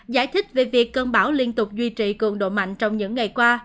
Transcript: giải thích về việc cơn bão liên tục duy trì cường độ mạnh trong những ngày qua